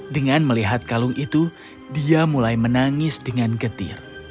dengan melihat kalung itu dia mulai menangis dengan getir